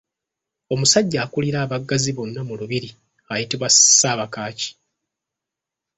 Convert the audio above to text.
Omusajja akulira abaggazi bonna mu lubiri ayitibwa Ssaabakaaki.